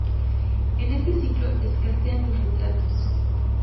En este siglo escasean los retratos.